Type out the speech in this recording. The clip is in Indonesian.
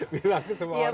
bilang ke semua orang